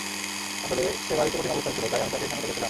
আসলে, সে বাড়িতে কঠিন অবস্থায় ছিল তাই আমি তাকে এখানে ডেকেছিলাম।